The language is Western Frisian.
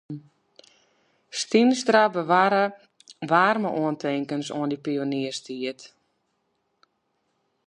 Stienstra bewarre waarme oantinkens oan dy pionierstiid.